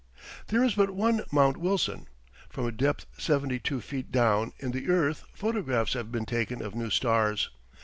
There is but one Mount Wilson. From a depth seventy two feet down in the earth photographs have been taken of new stars.